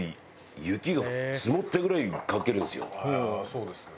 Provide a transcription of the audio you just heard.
そうですね。